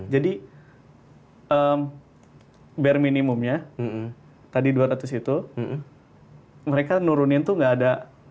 jadi bare minimumnya tadi dua ratus itu mereka nurunin tuh gak ada fi